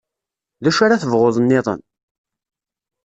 D acu ara tebɣuḍ-nniḍen?